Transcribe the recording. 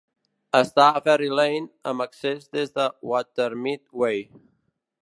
Està a Ferri Lane, amb accés des de Watermead Way.